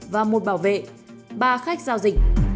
và một bảo vệ ba khách giao dịch